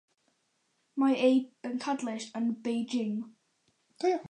Mae ei bencadlys yn Beijing.